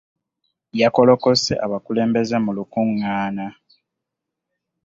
Yakolokose abakulembeze mu lukungaana.